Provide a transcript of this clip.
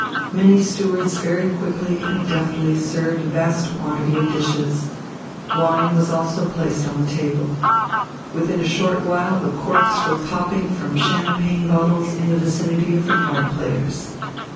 Many stewards very quickly and deftly served a vast quantity of dishes. Wine was also placed on the table. Within a short while the corks were popping from champagne bottles in the vicinity of the card players.